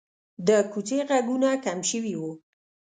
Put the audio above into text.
د کوڅې غږونه کم شوي وو.